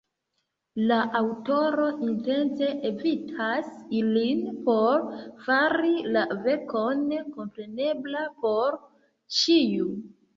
La aŭtoro intence evitas ilin por fari la verkon komprenebla por ĉiu.